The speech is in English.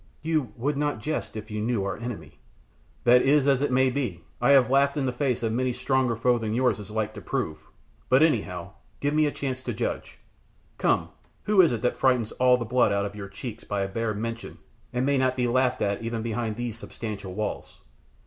"You would not jest if you knew our enemy!" "That is as it may be. I have laughed in the face of many a stronger foe than yours is like to prove; but anyhow, give me a chance to judge. Come, who is it that frightens all the blood out of your cheeks by a bare mention and may not be laughed at even behind these substantial walls?"